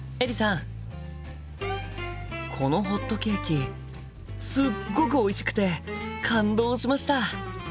このホットケーキすっごくおいしくて感動しました！